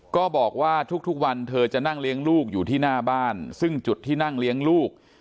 ก็บอกว่าทุกวันเธอจะนั่งเลี้ยงลูกอยู่ที่หน้าบ้านซึ่งจุดที่นั่งเลี้ยงลูก